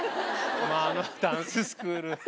あのダンススクール